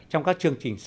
trong các chương trình sau